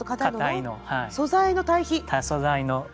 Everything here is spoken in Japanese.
素材の対比！